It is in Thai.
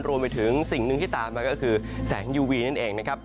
รวมไปถึงสิ่งหนึ่งที่ตามมาก็คือแสงยูวีนั่นเองนะครับ